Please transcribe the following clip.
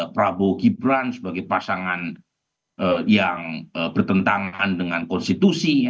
prabowo gibran sebagai pasangan yang bertentangan dengan konstitusi